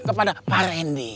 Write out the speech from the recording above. kepada pak randy